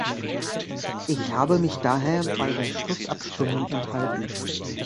Ich habe mich daher bei der Schlussabstimmung enthalten.